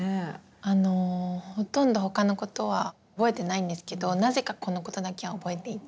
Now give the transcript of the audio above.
あのほとんど他のことは覚えてないんですけどなぜかこのことだけは覚えていて。